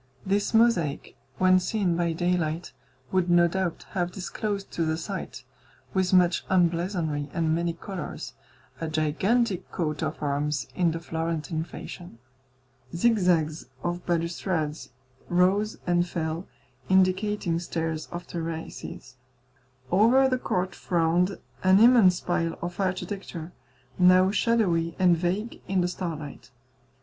This mosaic, when seen by daylight, would no doubt have disclosed to the sight, with much emblazonry and many colours, a gigantic coat of arms, in the Florentine fashion. Zigzags of balustrades rose and fell, indicating stairs of terraces. Over the court frowned an immense pile of architecture, now shadowy and vague in the starlight.